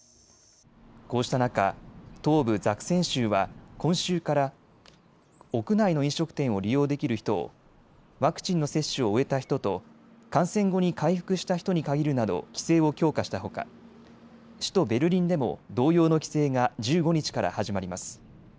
こうした中、東部ザクセン州は今週から屋内の飲食店を利用できる人をワクチンの接種を終えた人と感染後に回復した人に限るなど規制を強化したほか首都ベルリンでも同様の規制が１５日から始まります。